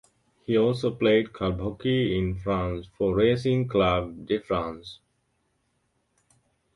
He also played club hockey in France for Racing Club de France.